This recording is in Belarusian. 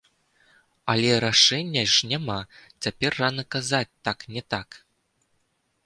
Але рашэння ж няма, цяпер рана казаць так, не так.